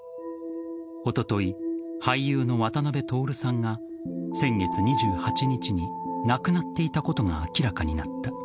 おととい、俳優の渡辺徹さんが先月２８日に亡くなっていたことが明らかになった。